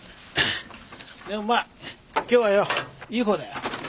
でもまあ今日はよいいほうだよ。